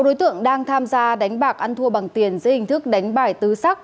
sáu đối tượng đang tham gia đánh bạc ăn thua bằng tiền dưới hình thức đánh bài tứ sắc